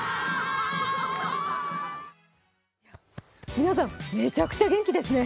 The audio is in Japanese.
皆さん、めちゃくちゃ元気ですね。